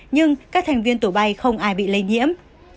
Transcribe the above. nhưng các thành viên tổ bay không ai bị lây nhiễm